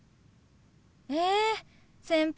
え先輩